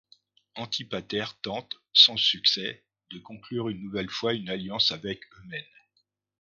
Antipater tente sans succès de conclure une nouvelle fois une alliance avec Eumène.